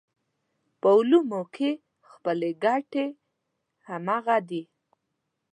په علومو کې خپلې ګټې همغه دي.